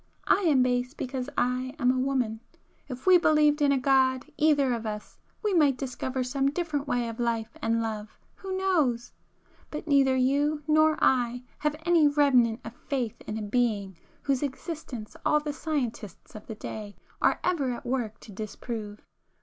I am base because I am a woman. If we believed in a God, either of us, we might discover some different way of life and love—who knows?—but neither you nor I have any remnant of faith in a Being whose existence all the scientists of the day are ever at work to disprove.